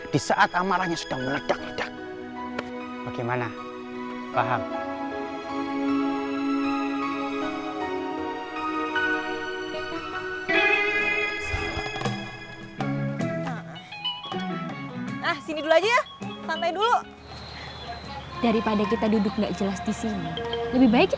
di saat amarahnya sudah meledak ledak